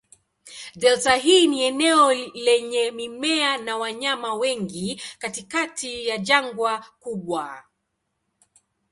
Delta hii ni eneo lenye mimea na wanyama wengi katikati ya jangwa kubwa.